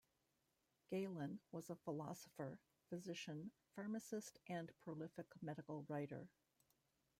Galen was a philosopher, physician, pharmacist and prolific medical writer.